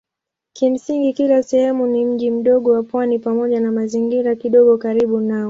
Kimsingi kila sehemu ni mji mdogo wa pwani pamoja na mazingira kidogo karibu nao.